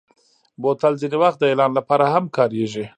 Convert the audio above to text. بوتل ځینې وخت د اعلان لپاره هم کارېږي.